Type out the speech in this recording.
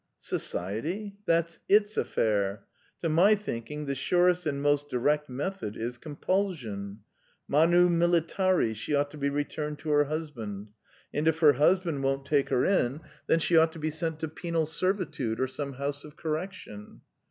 "Society? That's its affair. To my thinking the surest and most direct method is compulsion. Manu militari she ought to be returned to her husband; and if her husband won't take her in, then she ought to be sent to penal servitude or some house of correction."